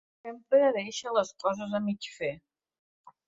Sempre deixa les coses a mig fer.